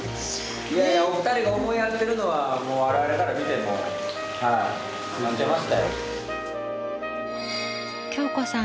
いやいやお二人が思い合ってるのはもう我々から見ても感じましたよ。